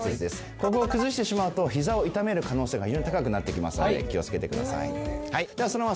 ここを崩してしまうと膝を痛める可能性が非常に高くなってきますので気を付けてください。